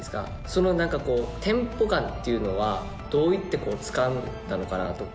その何かテンポ感っていうのはどういってつかんだのかなと。